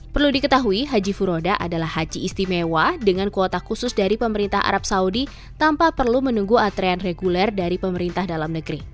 perlu diketahui haji furoda adalah haji istimewa dengan kuota khusus dari pemerintah arab saudi tanpa perlu menunggu antrean reguler dari pemerintah dalam negeri